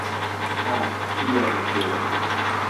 Ha, kia vetero!